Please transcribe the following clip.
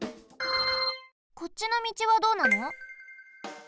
こっちのみちはどうなの？